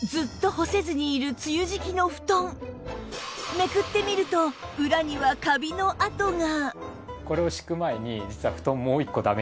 めくってみると裏にはカビの跡が